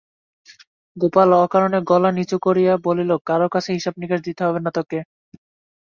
গোপাল অকারণে গলা নিচু করিয়া বলিল, কারো কাছে হিসাবনিকাশ দিতে হবে না তোকে?